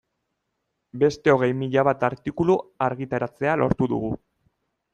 Beste hogei mila bat artikulu argitaratzea lortu dugu.